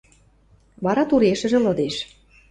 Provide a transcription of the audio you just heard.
Вара турешӹжӹ лыдеш.